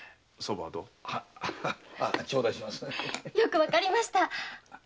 よくわかりました。